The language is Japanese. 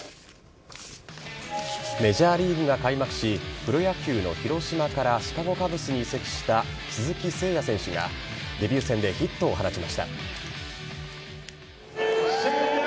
メジャーリーグが開幕しプロ野球の広島からシカゴ・カブスに移籍した鈴木誠也選手がデビュー戦でヒットを放ちました。